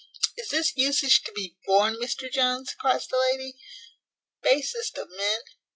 "Is this usage to be borne, Mr Jones?" cries the lady. "Basest of men?